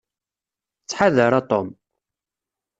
Ttḥadar a Tom.